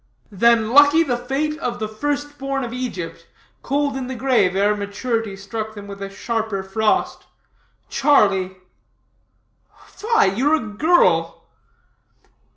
"Then lucky the fate of the first born of Egypt, cold in the grave ere maturity struck them with a sharper frost. Charlie?" "Fie! you're a girl."